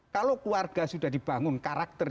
kalau keluarga sudah dibangun karakter